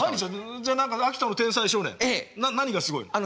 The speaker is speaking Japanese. じゃ何か秋田の天才少年何がすごいの？